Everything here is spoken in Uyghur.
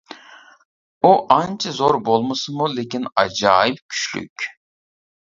ئۇ ئانچە زور بولمىسىمۇ، لېكىن ئاجايىپ كۈچلۈك.